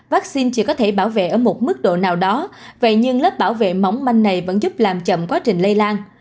vaccine chỉ có thể bảo vệ ở một mức độ nào đó vậy nhưng lớp bảo vệ mỏng manh này vẫn giúp làm chậm quá trình lây lan